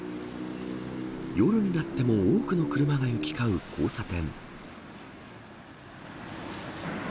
夜になっても多くの車が行き交う交差点。